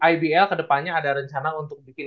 ibl kedepannya ada rencana untuk bikin